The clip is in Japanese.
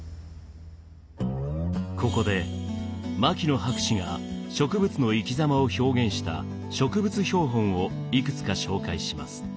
ここで牧野博士が植物の生き様を表現した植物標本をいくつか紹介します。